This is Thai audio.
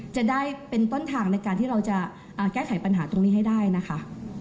จะได้เป็นต้นทางในการที่เราจะแก้ไขปัญหาตรงนี้ให้ได้นะคะ